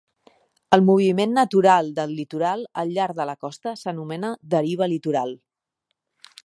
El moviment natural del litoral al llarg de la costa s'anomena deriva litoral.